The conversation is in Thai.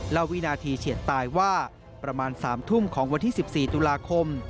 เล่าวินาทีเฉียดตายว่าประมาณ๓ทุ่มวัน๑๔ตุลาคม